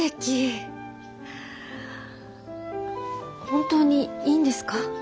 本当にいいんですか？